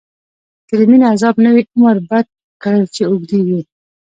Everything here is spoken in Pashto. که د مینی عذاب نه وی، عمر بد کړی چی اوږدیږی